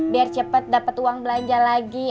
biar cepet dapet uang belanja lagi